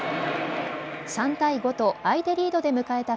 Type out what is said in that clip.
３対５と相手リードで迎えた